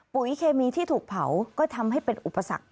เคมีที่ถูกเผาก็ทำให้เป็นอุปสรรค